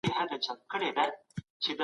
فکري ازادي د پرمختګ بنسټ دی.